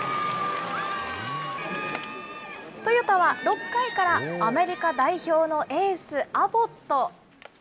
トヨタは６回からアメリカ代表のエース、アボット。